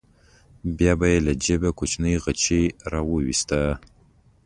بیا به یې له جېبه کوچنۍ بیاتي راوویسته.